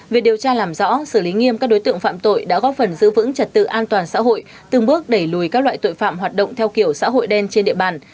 việc điều tra làm rõ xử lý nghiêm các đối tượng phạm tội đã góp phần giữ vững trật tự an toàn xã hội từng bước đẩy lùi các loại tội phạm hoạt động theo kiểu xã hội đen trên địa bàn